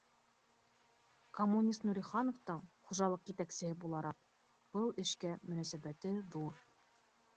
Коммунист Нурихановтың, хужалыҡ етәксеһе булараҡ, был эшкә мөнәсәбәте ҙур